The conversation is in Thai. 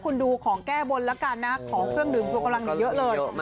คุณดูของแก้บนแล้วกันนะของเครื่องดื่มชูกำลังเยอะเลย